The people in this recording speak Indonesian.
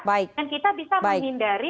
dan kita bisa memindari